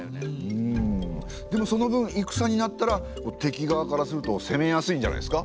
でもその分戦になったら敵側からすると攻めやすいんじゃないですか？